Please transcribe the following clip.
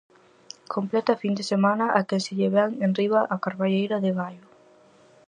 Completa fin de semana a que se lle vén enriba á carballeira de Baio.